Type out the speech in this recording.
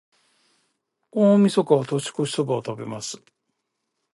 大晦日は、年越しそばを食べます。